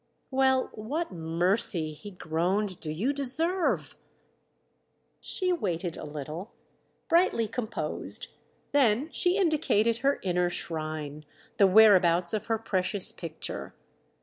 "Well, what mercy," he groaned, "do you deserve?" She waited a little, brightly composed—then she indicated her inner shrine, the whereabouts of her precious picture.